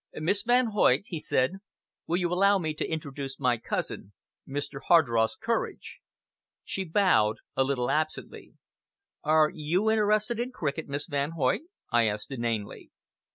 "Miss Van Hoyt," he said, "will you allow me to introduce my cousin, Mr. Hardross Courage?" She bowed a little absently. "Are you interested in cricket, Miss Van Hoyt?" I asked inanely.